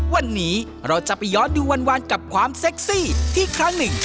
วันนี้เราจะไปย้อนดูวันกับความเซ็กซี่ที่ครั้งหนึ่ง